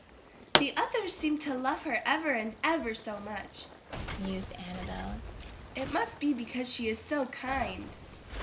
"The others seem to love her ever and ever so much!" mused Annabel. "It must be because she is so kind."